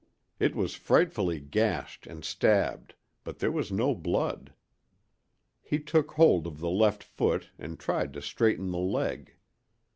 It was frightfully gashed and stabbed, but there was no blood. He took hold of the left foot and tried to straighten the leg.